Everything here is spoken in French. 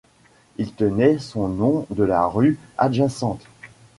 Il tenait son nom de la rue adjacente.